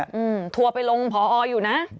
ถั่วไปลงผออยู่นะ